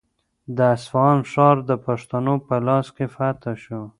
د اصفهان ښار د پښتنو په لاس فتح شو.